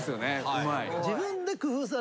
うまい。